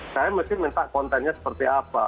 saya mesti minta kontennya seperti apa